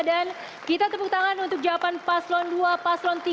dan kita tepuk tangan untuk jawaban paslon dua paslon tiga